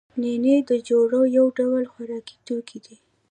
نینې د جوارو یو ډول خوراکي توکی دی